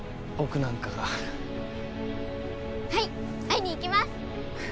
会いに行きます！